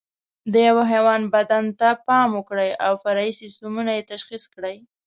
د یوه حیوان بدن ته پام وکړئ او فرعي سیسټمونه یې تشخیص کړئ.